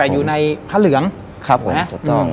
แต่อยู่ในพระเหลือง